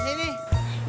ya udah kang